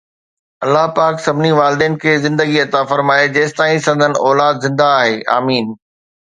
الله پاڪ سڀني والدين کي زندگي عطا فرمائي جيستائين سندن اولاد زندهه آهي، آمين